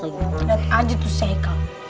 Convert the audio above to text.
lihat aja tuh si haikal